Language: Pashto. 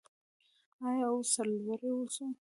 آیا او سرلوړي اوسو؟